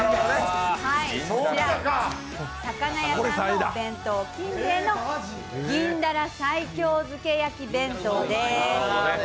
魚屋さんのお弁当金兵衛の銀だら西京漬け焼き弁当です。